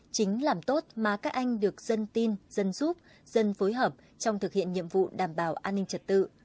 chính làm tốt mà các anh được dân tin dân giúp dân phối hợp trong thực hiện nhiệm vụ đảm bảo an ninh trật tự